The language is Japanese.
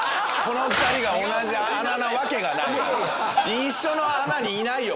一緒の穴にいないよ